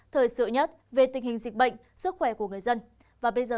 thời sự nhất về tình hình dịch bệnh sức khỏe của người dân và bây giờ xin chào và hẹn gặp lại